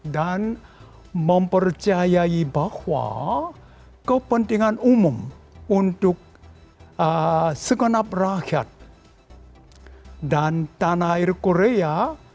dan mempercayai bahwa kepentingan umum untuk segenap rakyat dan tanah air korea